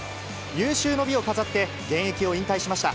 有終の美を飾って、現役を引退しました。